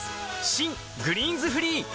新「グリーンズフリー」